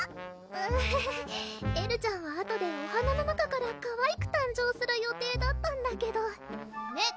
アハハエルちゃんはあとでお花の中からかわいく誕生する予定だったんだけどめっ！